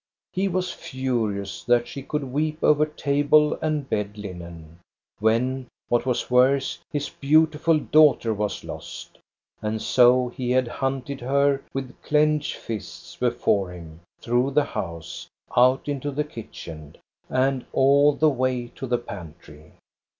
He was furious that she could weep over table and bed linen, when, what was worse, his beautiful daughter was lost ; and so he had hunted her, with clenched fists, before him, through the house, out into the kitchen, and all the way to the pantry.